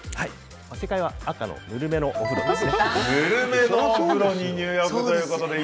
正解は赤のぬるめのお風呂です。